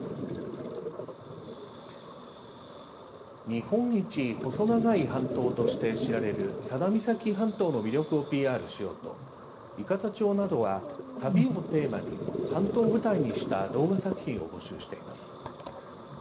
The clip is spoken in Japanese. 日本一細長い半島として知られる佐田岬半島の魅力をＰＲしようと伊方町などは旅をテーマに半島を舞台にした動画作品を募集しています。